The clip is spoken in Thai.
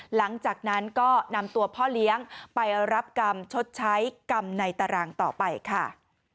หลังจากนั้นก็นำตัวพ่อเลี้ยงไปรับกรรมชดใช้กรรมในตารางต่อไปค่ะ